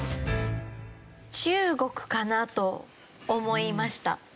中国かなと思いました。